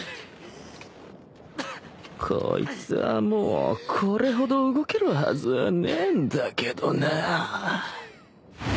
こいつはもうこれほど動けるはずはねえんだけどなぁ